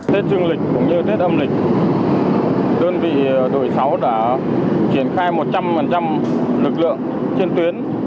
tết dương lịch cũng như tết âm lịch đơn vị đội sáu đã triển khai một trăm linh lực lượng trên tuyến